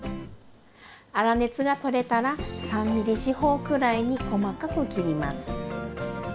粗熱が取れたら３ミリ四方くらいに細かく切ります。